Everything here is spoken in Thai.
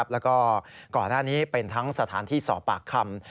แล้วก็ก่อนหน้านี้เป็นทั้งสถานที่สอบปากคำ